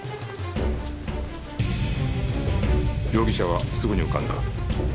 容疑者はすぐに浮かんだ